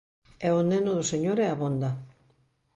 É o neno do señor e abonda.